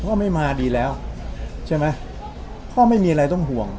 พ่อไม่มาดีแล้วใช่ไหมพ่อไม่มีอะไรต้องห่วง